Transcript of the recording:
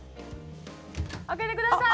開けてください。